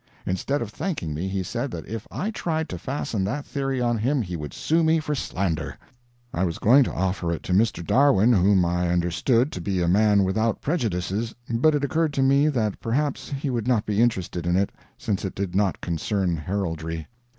Instead of thanking me, he said that if I tried to fasten that theory on him he would sue me for slander. I was going to offer it to Mr. Darwin, whom I understood to be a man without prejudices, but it occurred to me that perhaps he would not be interested in it since it did not concern heraldry.